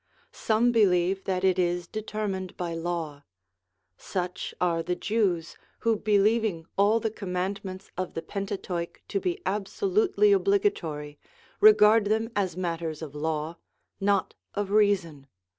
Some believe that it is determined by law ; such are the Jews, who believing all the commandments of the Pentateuch to be ab solutely obligatory, regard them as matters of law, not of reason.